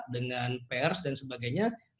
dengan pers dan sebagainya